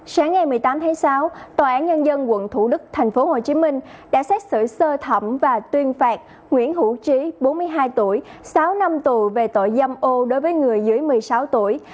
sáng ngày một mươi tám tháng sáu tòa án nhân dân quận thủ đức thành phố hồ chí minh đã xét xử sơ thẩm và tuyên phạt nguyễn hữu trí bốn mươi hai tuổi sáu năm tù về tội dâm ô đối với người dưới một mươi sáu tuổi